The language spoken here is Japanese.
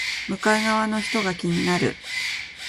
向かい側の人が気になる